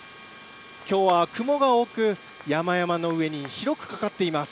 きょうは雲が多く、山々の上に広くかかっています。